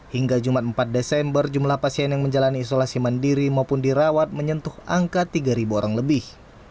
hingga jumat empat desember jumlah pasien yang menjalani isolasi mandiri maupun dirawat menyentuh angka tiga orang lebih